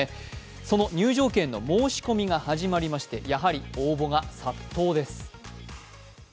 その入場券の申し込みが始まりまして、やはり応募が殺到です。